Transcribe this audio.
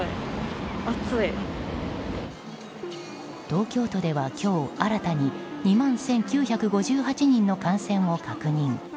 東京都では今日新たに２万１９５８人の感染を確認。